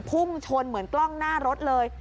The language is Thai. พุ่งชนเหมือนกล้องหน้ารถเลย